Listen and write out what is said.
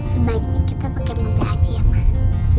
sebaiknya kita pakai mobil aja ya mak